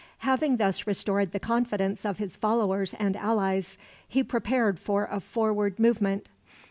Having thus restored the confidence of his followers and allies, he prepared for a forward movement.